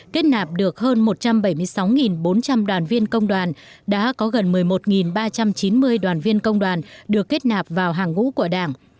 kết nạp được hơn một trăm bảy mươi sáu bốn trăm linh đoàn viên công đoàn đã có gần một mươi một ba trăm chín mươi đoàn viên công đoàn được kết nạp vào hàng ngũ của đảng